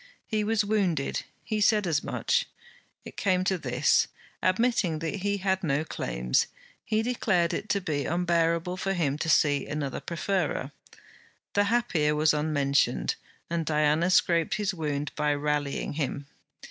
He was wounded; he said as much. It came to this: admitting that he had no claims, he declared it to be unbearable for him to see another preferred. The happier was unmentioned, and Diana scraped his wound by rallying him.